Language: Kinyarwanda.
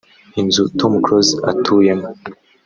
Inzu Tom Close atuyemo